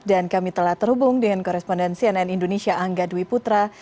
dan kami telah terhubung dengan korespondensi ann indonesia angga dwi putra